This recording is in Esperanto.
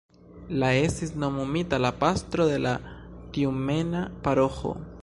La estis nomumita la pastro de la tjumena paroĥo.